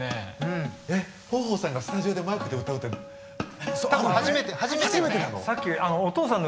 えっ豊豊さんがスタジオでマイクで歌うって初めてなの？